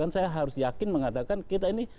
saya harus yakin mengatakan kita ini